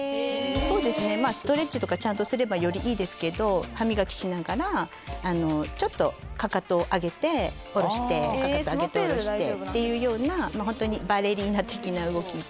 そうですねストレッチとかちゃんとすればよりいいですけど歯磨きしながらちょっとかかとを上げて下ろしてかかとを上げて下ろしてっていうようなホントにバレリーナ的な動きとか。